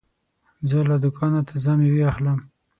زه له دوکانه تازه مېوې اخلم.